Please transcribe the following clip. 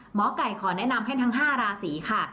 หมอไก่ขอแนะนำให้ทั้ง๕ราศีค่ะ